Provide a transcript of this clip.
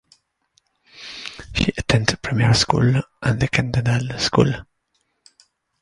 She attended primary school and the cantonal school.